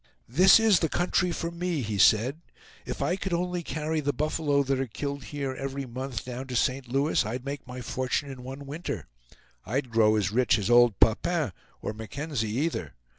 "This is the country for me!" he said; "if I could only carry the buffalo that are killed here every month down to St. Louis I'd make my fortune in one winter. I'd grow as rich as old Papin, or Mackenzie either.